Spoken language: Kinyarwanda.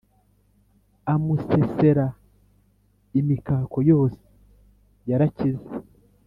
amusesera imikako yose yarakize.